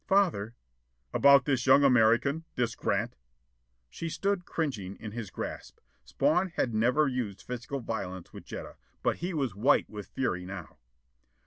"Father " "About this young American? This Grant?" She stood cringing in his grasp. Spawn had never used physical violence with Jetta. But he was white with fury now.